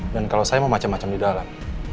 dan kalau saya mau macem macem di dalam